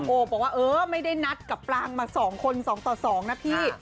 บอกว่าเออไม่ได้นัดกับปลางมา๒คน๒ต่อ๒นะพี่